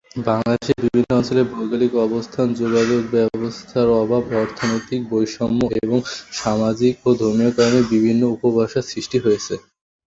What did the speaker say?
বাংলাদেশে বিভিন্ন অঞ্চলের ভৌগোলিক অবস্থান, যোগাযোগ ব্যবস্থার অভাব, অর্থনৈতিক বৈষম্য এবং সামাজিক ও ধর্মীয় কারণে বিভিন্ন উপভাষার সৃষ্টি হয়েছে।